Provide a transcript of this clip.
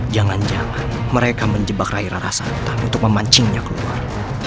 jangan jangan mereka menjebak raira rasa untuk memancingnya keluar